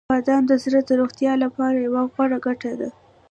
• بادام د زړه د روغتیا لپاره یوه غوره ګټه ده.